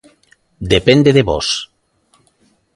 Depende de vós.